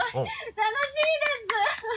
楽しいです！